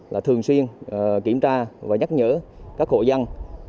là thường xuyên kiểm tra và nhắc nhở các hộ dân